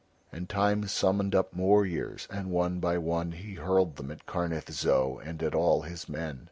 And Time summoned up more years, and one by one he hurled them at Karnith Zo and at all his men.